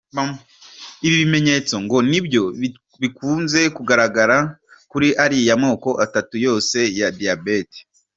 Ibi bimenyetso ngo ni byo bikunze kugaragara kuri ariya moko atatu yose ya diyabete.